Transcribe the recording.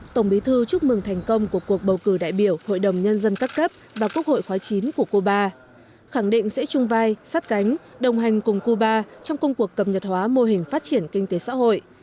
tổng bí thư chúc mừng thành công của cuộc bầu cử đại biểu hội đồng nhân dân các cấp và quốc hội khóa chín của cuba khẳng định sẽ chung vai sát cánh đồng hành cùng cuba trong công cuộc cầm nhật hóa mô hình phát triển kinh tế xã hội